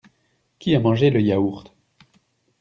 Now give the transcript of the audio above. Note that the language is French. Qui a mangé le yaourt?